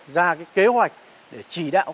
ra kế hoạch để trì đạo